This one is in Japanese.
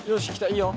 いいよ。